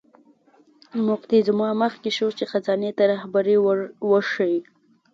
موکتیزوما مخکې شو چې خزانې ته رهبري ور وښیي.